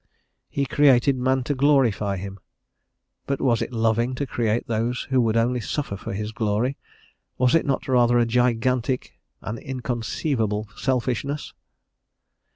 "He created man to glorify him." But was it loving to create those who would only suffer for his glory? Was it not rather a gigantic, an inconceivable selfishness?